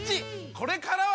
これからは！